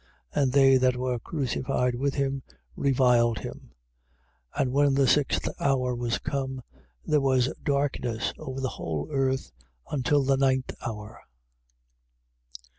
And they that were crucified with him, reviled him. 15:33. And when the sixth hour was come, there was darkness over the whole earth until the ninth hour.